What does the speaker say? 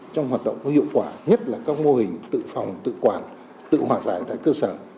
trong hoạt động có hiệu quả nhất là các mô hình tự phòng tự quản tự hòa giải tại cơ sở